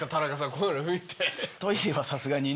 こういうの見て。